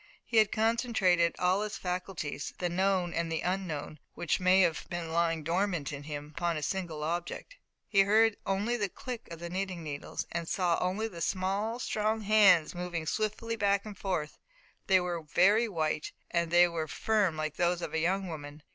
He had concentrated all his faculties, the known, and the unknown, which may have been lying dormant in him, upon a single object. He heard only the click of the knitting needles, and he saw only the small, strong hands moving swiftly back and forth. They were very white, and they were firm like those of a young woman.